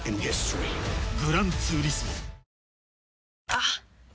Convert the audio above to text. あっ！